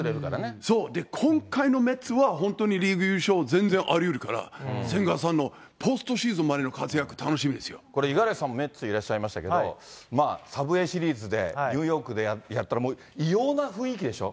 そう、今回のメッツは本当にリーグ優勝全然ありうるから、千賀さんのポストシーズンまでの活躍、これ、五十嵐さん、メッツにいらっしゃいましたけど、まあ、サブウェイシリーズでニューヨークでやったら、異様な雰囲気でしょ。